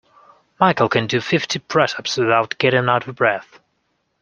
Michael can do fifty press-ups without getting out of breath